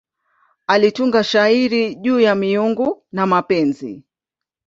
Alitunga shairi juu ya miungu na mapenzi.